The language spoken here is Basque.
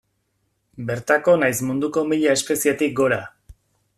Bertako nahiz munduko mila espezietik gora.